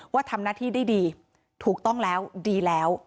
ว่าทำหน้าที่ได้ดีถูกต้องแล้วดีแล้ว